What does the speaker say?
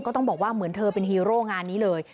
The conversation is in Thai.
ต้องบอกว่าเหมือนเธอเป็นฮีโร่งานนี้เลย